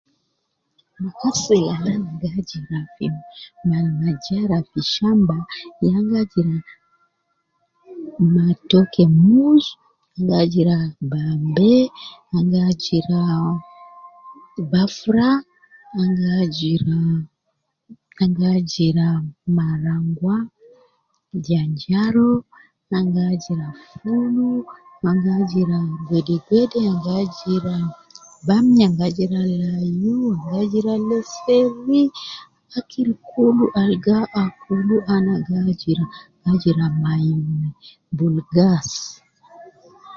Akil al ana gi ajira fi mal majara fi shamba ya an gi ajira matoke mus, an gi ajira bambe, an gi ajira bafura ,an gi ajira, an gi ajira marangwa, an gi ajira janjaro, an gi ajira fulu, an gi ajira gwede gwede, an gi ajira bamia, an gi ajira layu, an gi ajira lesheri, akil kulu al gi akulu ana gi ajira, an gi ajira mayuni, bulgas